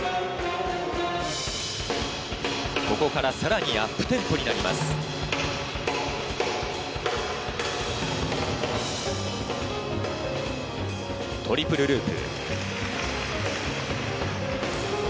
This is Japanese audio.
ここからさらにアップテンポになります。トリプルループ。